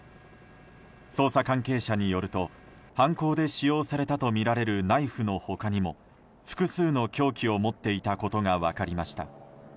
捜査関係者によると犯行で使用されたとみられるナイフの他にも複数の凶器を持っていたことが分かりました。